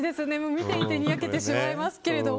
見ていてにやけてしまいますけれども。